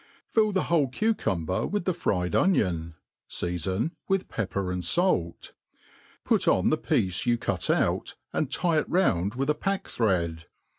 Fill the whole cucumber with the fried onion, feafon with pepper and ftlt; put on the {iiece you cut out, and tie it round with a packthread.